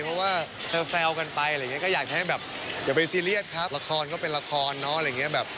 เพราะว่าจะแซวกันไปก็อยากให้แบบอย่าไปซีเรียสครับละครก็เป็นละครเนาะ